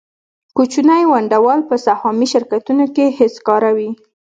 کوچني ونډه وال په سهامي شرکتونو کې هېڅکاره وي